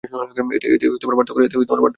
এতে পার্থক্য রয়েছে।